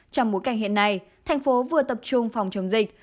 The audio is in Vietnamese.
trong bối cảnh hiện nay thành phố vừa tập trung phòng chống dịch